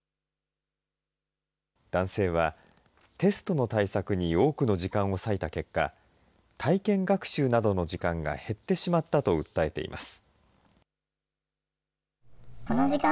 男性は、テストの対策に多くの時間を割いた結果、体験学習などの時間が減ってしまったと訴えています。